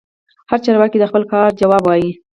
هر چارواکي د خپل کار ځواب وايي.